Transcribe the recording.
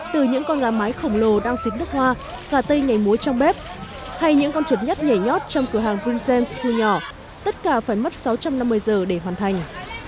từ những con gà mái khổng lồ đang xín nước hoa gà tây nhảy muối trong bếp hay những con chuột nhắt nhảy nhót trong cửa hàng prince james thu nhỏ tất cả phải mất sáu trăm năm mươi giờ để hoàn thành